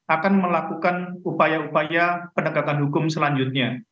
akan melakukan upaya upaya pendekatan hukum selanjutnya